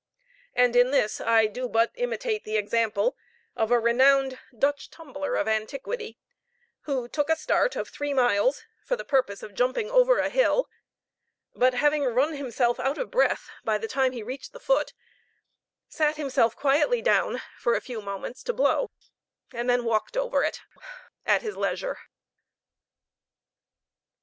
And in this I do but imitate the example of a renowned Dutch tumbler of antiquity, who took a start of three miles for the purpose of jumping over a hill, but having run himself out of breath by the time he reached the foot, sat himself quietly down for a few moments to blow, and then walked over it at his leisure.